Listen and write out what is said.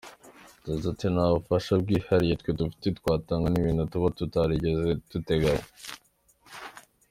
Yagize ati "Nta bufasha bwihariye twe dufite twatanga, ni ibintu tuba tutarigeze duteganya.